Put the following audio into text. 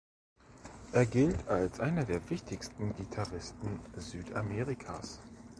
Er gilt als einer der wichtigsten Gitarristen Südamerikas.